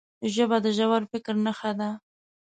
ژبه د ژور فکر نښه ده